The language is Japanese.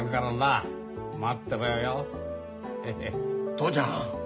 父ちゃん。